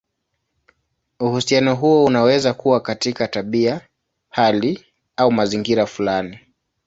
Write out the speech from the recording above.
Uhusiano huo unaweza kuwa katika tabia, hali, au mazingira fulani.